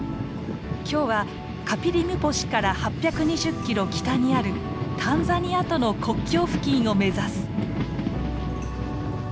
今日はカピリムポシから８２０キロ北にあるタンザニアとの国境付近を目指す。